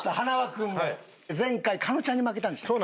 君も前回狩野ちゃんに負けたんでしたっけ。